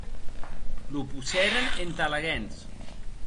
Lo possèren entà laguens.